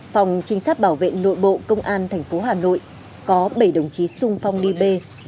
phòng trinh sát bảo vệ nội bộ công an thành phố hà nội có bảy đồng chí sung phong đi bê